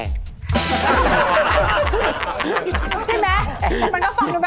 ฮู้แห